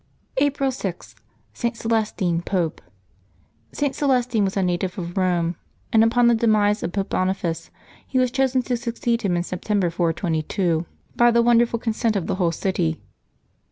April 6.— ST. CELESTINE, Pope. [t. Celestine was a native of Eome, and upon the de mise of Pope Boniface he was chosen to succeed him, in September 422, by the wonderful consent of the whole city.